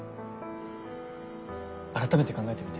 あらためて考えてみて。